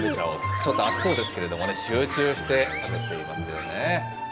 ちょっと熱そうですけれどもね、集中して食べていますよね。